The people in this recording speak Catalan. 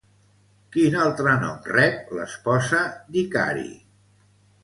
Quin altre nom rep l'esposa d'Icari?